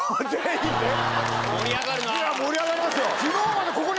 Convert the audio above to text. いや盛り上がりますよ。